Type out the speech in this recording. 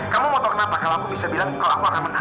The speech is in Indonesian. kamu mau tahu kenapa kalau aku bisa bilang kalau aku akan menang